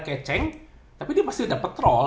kayak ceng tapi dia pasti dapet troll